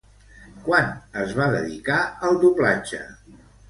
Quan es va dedicar al doblatge?